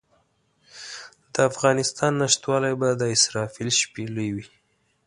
د افغانستان نشتوالی به د اسرافیل شپېلۍ وي.